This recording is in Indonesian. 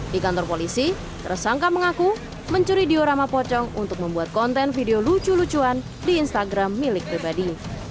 di kantor polisi tersangka mengaku mencuri diorama pocong untuk membuat konten video lucu lucuan di instagram milik pribadi